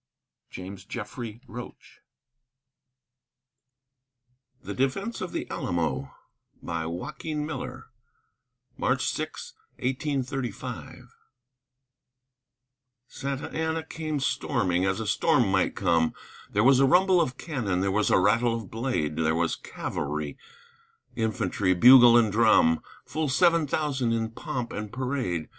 JAMES JEFFREY ROCHE. THE DEFENCE OF THE ALAMO [March 6, 1835] Santa Ana came storming, as a storm might come; There was rumble of cannon; there was rattle of blade; There was cavalry, infantry, bugle and drum Full seven thousand in pomp and parade.